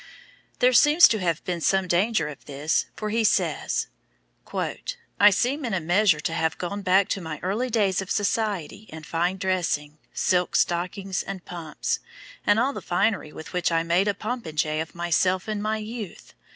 There seems to have been some danger of this, for he says: "I seem in a measure to have gone back to my early days of society and fine dressing, silk stockings and pumps, and all the finery with which I made a popinjay of myself in my youth....